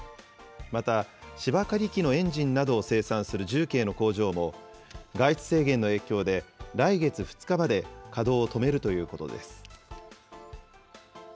また、芝刈り機のエンジンなどを生産する重慶の工場も、外出制限の影響で、来月２日まで稼働を止めるということです。